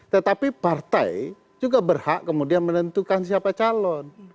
tetapi partai juga berhak kemudian menentukan siapa calon